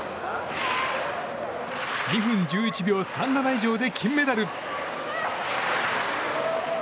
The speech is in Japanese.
２分１１秒３７以上で金メダル。